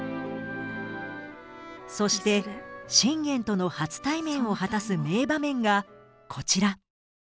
そして信玄との初対面を果たす名場面がこちら。